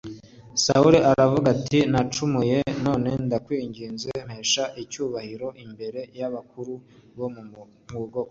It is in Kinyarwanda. sawuli aravuga ati nacumuye none ndakwinginze mpesha icyubahiro imbere y abakuru bo mu bwoko bwose